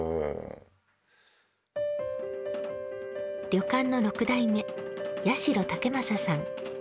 旅館の６代目・八代健正さん。